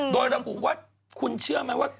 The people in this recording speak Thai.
โดยระบุว่าคุณเชื่อไหมว่า